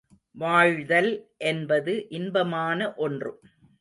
வாழ்தல் என்பது இன்பமான ஒன்று.